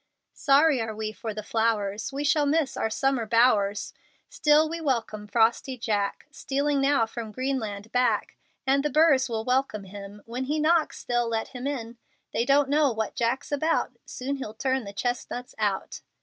Sorry are we for the flowers; We shall miss our summer bowers; Still we welcome frosty Jack, Stealing now from Greenland back. And the burrs will welcome him; When he knocks, they'll let him in. They don't know what Jack's about; Soon he'll turn the chestnuts out.